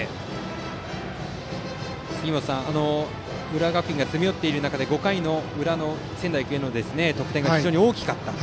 浦和学院が詰め寄っている中で５回の仙台育英の得点が大きかったと。